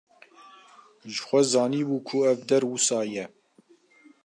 Jixwe zanibû ku ev der wisa ye.